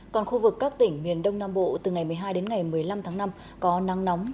còn khu vực các tỉnh miền đông nam bộ từ ngày một mươi hai đến ngày một mươi năm tháng năm có nắng nóng